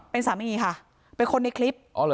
เป็นสามีค่ะเป็นคนในคลิป